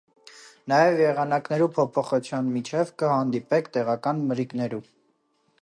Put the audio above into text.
Նաեւ, եղանակներու փոփոխութեան միջեւ, կը հանդիպինք տեղական մրրիկներու։